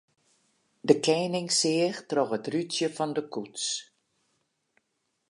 De kening seach troch it rútsje fan de koets.